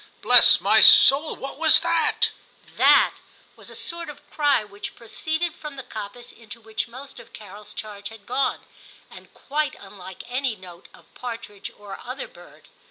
Bless my soul, what was that ?'* That ' was a sort of cry which proceeded from the coppice into which most of Carols charge had gone, and quite unlike any note of partridge or other bird.